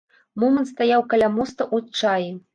Момант стаяў каля моста ў адчаі.